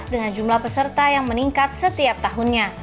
dengan jumlah peserta yang meningkat setiap tahunnya